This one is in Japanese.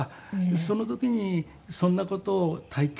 その時にそんな事を体験しました。